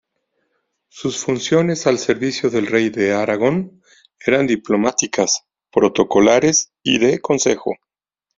Sus funciones al servicio del rey de Aragón eran diplomáticas, protocolares y de consejo.